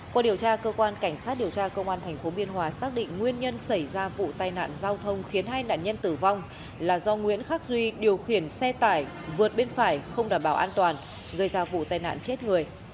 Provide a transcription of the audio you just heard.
qua điều tra cơ quan cảnh sát điều tra công an tp biên hòa xác định nguyên nhân xảy ra vụ tai nạn giao thông khiến hai nạn nhân tử vong là do nguyễn khắc duy điều khiển xe tải vượt bên phải không đảm bảo an toàn gây ra vụ tai nạn chết người